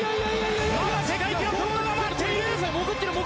まだ世界記録を上回っている！